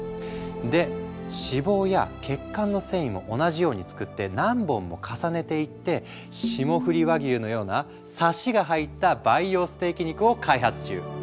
で脂肪や血管の繊維も同じように作って何本も重ねていって霜降り和牛のようなサシが入った培養ステーキ肉を開発中。